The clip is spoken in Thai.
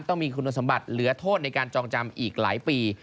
ต้องมีคุณสมบัติเหลือโทษในการจองจำอีกหลายปี